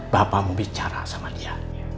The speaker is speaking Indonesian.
bapak mau bicara sama dia